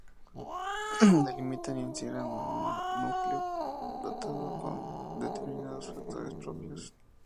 Delimitan y encierran una núcleo dotado con determinados factores propios.